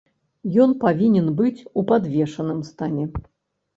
Ён павінен быць у падвешаным стане.